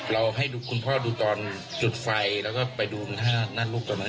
ให้คุณพ่อดูตอนจุดไฟแล้วก็ไปดูหน้าลูกตอนนั้น